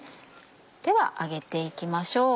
では揚げていきましょう。